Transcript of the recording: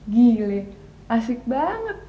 gile asik banget